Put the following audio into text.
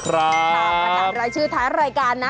ประกาศรายชื่อท้ายรายการนะ